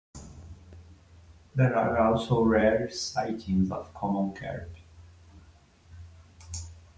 There are also rare sightings of common carp.